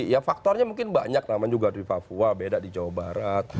ya faktornya mungkin banyak namanya juga di papua beda di jawa barat